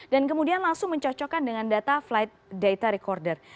dan kemudian langsung mencocokkan dengan data flight data recorder